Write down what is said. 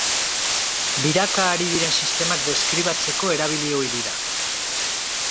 Biraka ari diren sistemak deskribatzeko erabili ohi dira.